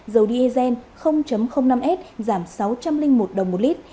dầu diesel năm s giảm sáu trăm linh một đồng một lít